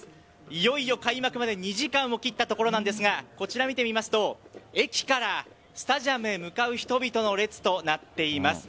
いよいよ開幕まで２時間を切ったところなんですがこちらを見てみますと駅からスタジアムへ向かう人々の列となっています。